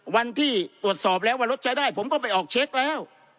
วันที่ตรวจสอบแล้วว่ารถใช้ได้ผมก็ไปออกเช็คแล้ว